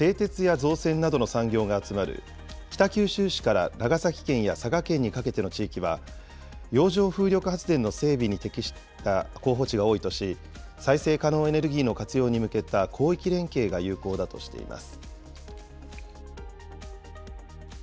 また製鉄や造船などの産業が集まる北九州市から長崎県や佐賀県にかけての地域は、洋上風力発電の整備に適した候補地が多いとし、再生可能エネルギーの活用に向けた広域連携が有効だとしています。